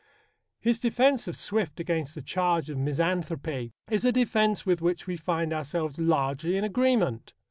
His defence of Swift against the charge of misanthropy is a defence with which we find ourselves largely in agreement.